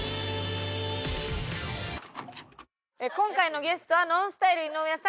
今回のゲストはＮＯＮＳＴＹＬＥ井上さん